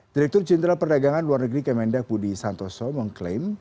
direktur jenderal perdagangan luar negeri kemendak budi santoso mengklaim